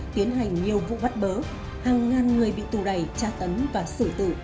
tiến hành nhiều vụ bắt bớ hàng ngàn người bị tù đầy tra tấn và sự tự